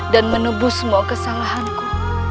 dan menebus semua kesalahanku